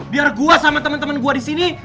biar gue sama temen temen gue disini